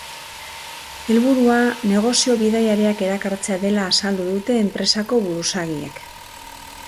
Helburua negozio bidaiariak erakartzea dela azaldu dute enpresako buruzagiek.